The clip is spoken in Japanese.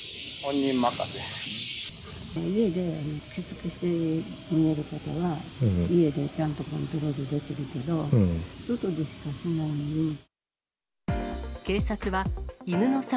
家でしつけしている方は、家でちゃんとコントロールできるけど、外でしかしないので。